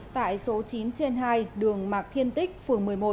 tại số chín trên hai đường mạc thiên tích phường một mươi một